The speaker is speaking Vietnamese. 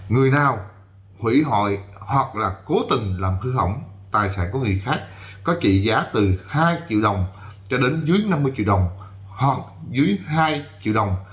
người nào hủy hoại hoặc là cố tình làm hư hỏng tài sản của người khác có trị giá từ hai triệu đồng cho đến dưới năm mươi triệu đồng hoặc dưới hai triệu đồng